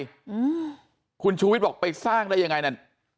อืมคุณชุวิตบอกไปสร้างได้ยังไงนะ